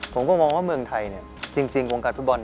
ผมก็มองว่าเมืองไทยจริงวงการฟุตบอล